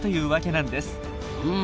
うん。